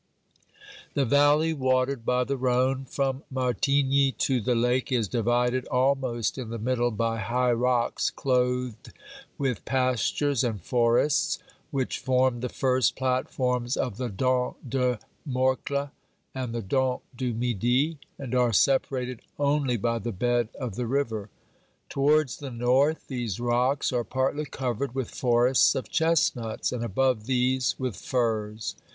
The valley watered by the Rhone, from Martigny to the lake, is divided almost in the middle by high rocks clothed with pastures and forests which form the first platforms of the Dent de Morcle and the Dent du Midi, and are separated only by the bed of the river. Towards the north these rocks are partly covered with forests of chestnuts, and above these with firs.